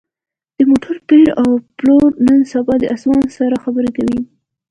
د موټرو پېر او پلور نن سبا د اسمان سره خبرې کوي